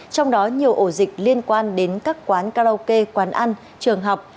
trong đó nhiều ổ dịch liên quan đến các quán karaoke quán ăn trường học